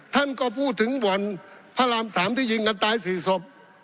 ท่านก็พูดถึงบ่อนพระราม๓ที่ยิงกันตาย๔ศพ